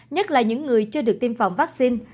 nhất là những người chưa được tiêm phòng vaccine